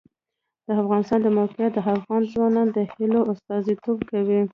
د افغانستان د موقعیت د افغان ځوانانو د هیلو استازیتوب کوي.